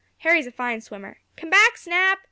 "Harry's a fine swimmer. Come back, Snap!"